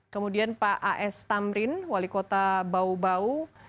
kemudian pak as tamrin wali kota bau bau